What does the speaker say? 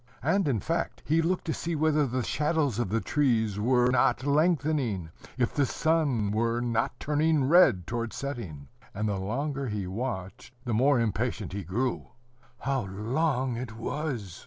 And, in fact, he looked to see whether the shadows of the trees were not lengthening, if the sun were not turning red towards setting; and the longer he watched, the more impatient he grew. How long it was!